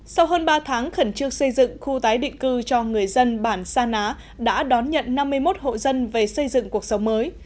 sau hơn ba tháng khẩn trương xây dựng khu tái định cư cho người dân bản sa ná đã đón nhận năm mươi một hộ dân về xây dựng cuộc sống mới